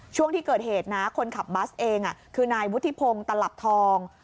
ช่วงที่เกิดเหตุนะคนขับบัสเองคือนายวุฒิพงศ์ตลับทอง